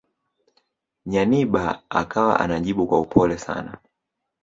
Nyanibah akawa anajibu kwa upole sana